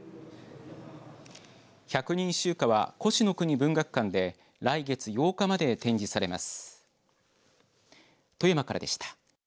百人秀歌は高志の国文学館で来月８日まで展示されます。